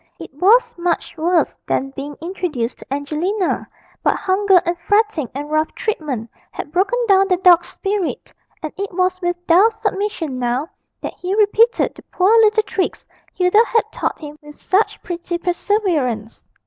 It was much worse than being introduced to Angelina; but hunger and fretting and rough treatment had broken down the dog's spirit, and it was with dull submission now that he repeated the poor little tricks Hilda had taught him with such pretty perseverance.